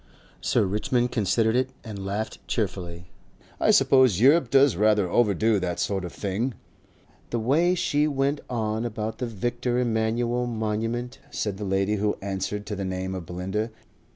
Sir Richmond considered it and laughed cheerfully. "I suppose Europe does rather overdo that sort of thing." "The way she went on about the Victor Emmanuele Monument!" said the lady who answered to the name of Belinda.